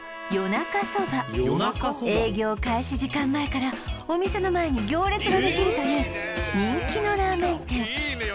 なかそば営業開始時間前からお店の前に行列ができるという人気のラーメン店